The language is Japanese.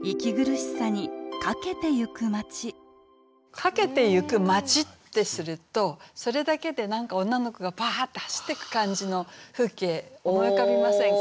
「駆けてゆく街」ってするとそれだけで何か女の子がバーッて走ってく感じの風景思い浮かびませんか？